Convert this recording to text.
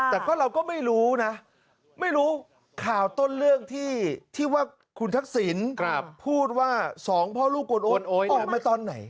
แต่ก็เราก็ไม่รู้นะไม่รู้ข่าวต้นเรื่องที่ว่าคุณทักษิณพูดว่าสองพ่อลูกกวนโอนโอ๊ยโอนมาตอนไหน